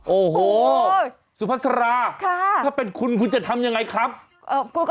โอ้โหสุภาษาราถ้าเป็นคุณคุณจะทำยังไงครับ